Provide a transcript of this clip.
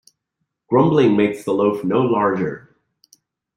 Grumbling makes the loaf no larger.